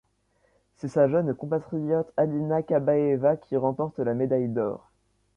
C’est sa jeune compatriote Alina Kabaeva qui remporte la médaille d’or.